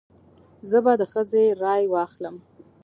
زه به د ښځې رای واخلم.